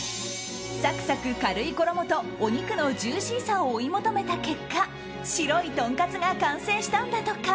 サクサク軽い衣とお肉のジューシーさを追い求めた結果白いとんかつが完成したんだとか。